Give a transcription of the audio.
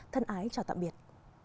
thân ái chào tạm biệt